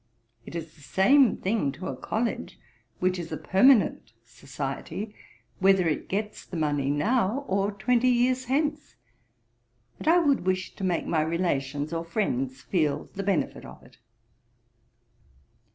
It is the same thing to a College, which is a permanent society, whether it gets the money now or twenty years hence; and I would wish to make my relations or friends feel the benefit of it.'